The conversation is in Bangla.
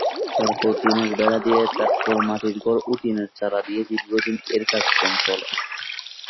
তারপর টিনের বেড়া দিয়ে, তারপর মাটির ঘর ও টিনের চালা দিয়ে দীর্ঘদিন এর কার্যক্রম চলে।